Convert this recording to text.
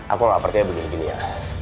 aku gak percaya begini ya